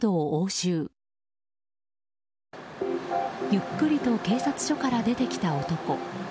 ゆっくりと警察署から出てきた男。